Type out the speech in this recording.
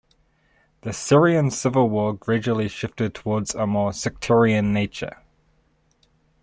The Syrian civil war gradually shifted towards a more sectarian nature.